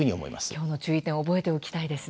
今日の注意点覚えておきたいですね。